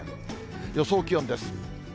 予想気温です。